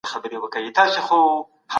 چا احمد شاه ابدالي له زندانه خلاص کړ؟